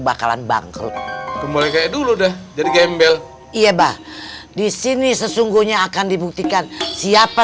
bakalan bangkrut mulai kayak dulu deh jadi gembel iya bah disini sesungguhnya akan dibuktikan siapa